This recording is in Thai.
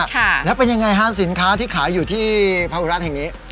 ค่ะแล้วเป็นยังไงฮะสินค้าที่ขายอยู่ที่ภาวรัฐแห่งนี้